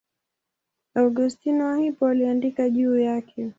Augustino wa Hippo aliandika juu yake.